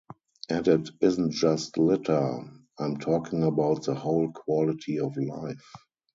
And it isn't just litter: I'm talking about the whole quality of life.